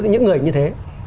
những người như thế